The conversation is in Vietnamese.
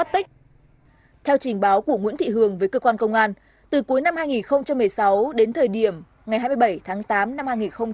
theo trình báo của nguyễn thị hường với cơ quan công an từ cuối năm hai nghìn một mươi sáu đến thời điểm ngày hai mươi bảy tháng tám năm hai nghìn một mươi chín